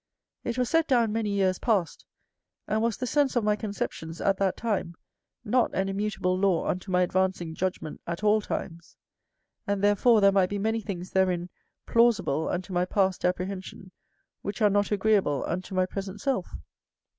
It was set down many years past, and was the sense of my conceptions at that time, not an immutable law unto my advancing judgment at all times; and therefore there might be many things therein plausible unto my passed apprehension, which are not agreeable unto my present self.